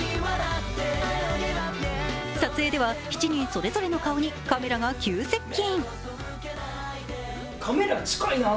撮影では、７人それぞれの顔にカメラが急接近。